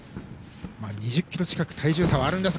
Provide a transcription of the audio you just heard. ２０ｋｇ近く体重差はあります。